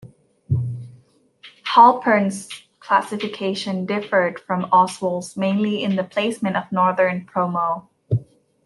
Halpern's classification differed from Oswalt's mainly in the placement of Northeastern Pomo.